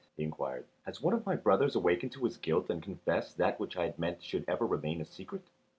he inquired, "has one of my brothers awakened to his guilt, and confessed that which I had meant should ever remain a secret?"